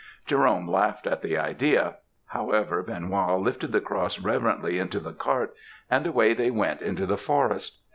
Jerome laughed at the idea; however, Benoît lifted the cross reverently into the cart and away they went into the forest.